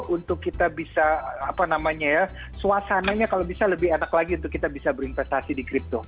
untuk kita bisa apa namanya ya suasananya kalau bisa lebih enak lagi untuk kita bisa berinvestasi di crypto